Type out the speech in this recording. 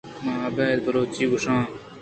من ابید بلوچی گوش آں۔